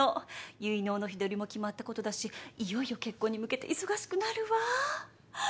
結納の日取りも決まったことだしいよいよ結婚に向けて忙しくなるわ。